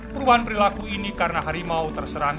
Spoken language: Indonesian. perubahan perilaku ini karena harimau terserang